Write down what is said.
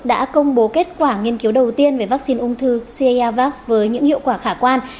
đã công bố kết quả nghiên cứu đầu tiên về vaccine ung thư c a r vax với những hiệu quả khả quan